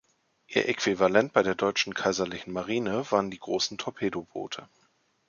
Ihr Äquivalent bei der deutschen Kaiserlichen Marine waren die Großen Torpedoboote.